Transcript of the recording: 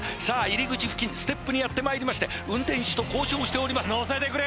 入り口付近ステップにやってまいりまして運転手と交渉しております